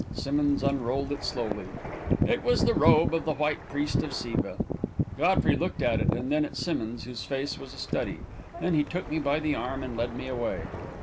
Simmonds unrolled it slowly. It was the robe of the White Priest of Siva. Godfrey looked at it and then at Simmonds, whose face was a study. Then he took me by the arm and led me away.